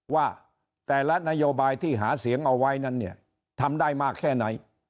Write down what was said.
ว่าแต่ละนโยบายที่หาเสียงเอาไว้นั้นเนี่ยทำได้มากแค่ไหน